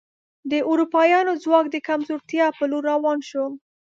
د اروپایانو ځواک د کمزورتیا په لور روان شو.